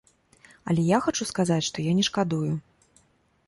Але я хачу сказаць, што я не шкадую.